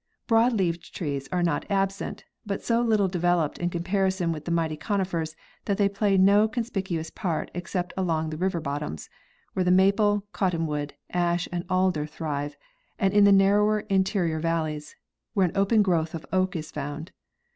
Broad leaved trees are not absent, but so little developed in comparison with the mighty conifers that they play no conspic uous part except along the river bottoms, where the maple, cotton, wood, ash and alder thrive, and in the narrow interior valleys. where an open growth of oak is found.